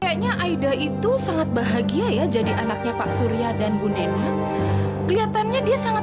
kayaknya aida itu sangat bahagia ya jadi anaknya pak surya dan bu neneng kelihatannya dia sangat